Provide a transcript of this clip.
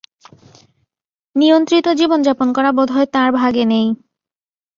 নিয়ন্ত্রিত জীবনযাপন করা বোধহয় তাঁর ভাগ্যে নেই।